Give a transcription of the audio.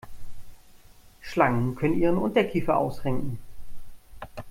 Schlangen können ihren Unterkiefer ausrenken.